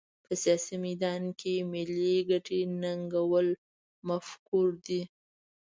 په سیاسي میدان کې ملي ګټې ننګول منفور دي.